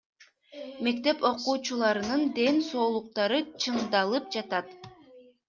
Мектеп окуучуларынын ден соолуктары чыңдалып жатат.